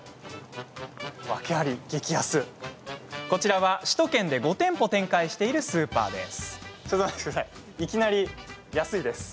こちらは首都圏で５店舗展開しているスーパーです。